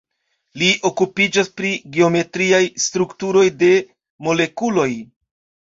Li okupiĝas pri geometriaj strukturoj de molekuloj.